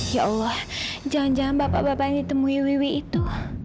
ya allah jangan jangan bapak bapak yang ditemui wiwi itu